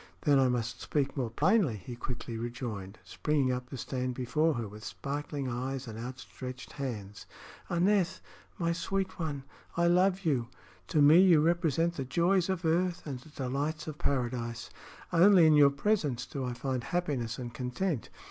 "Then I must speak more plainly," he quickly rejoined, springing up to stand before her with sparkling eyes and outstretched hands. "Aneth, my sweet one, I love you! To me you represent the joys of earth and the delights of paradise. Only in your presence do I find happiness and content.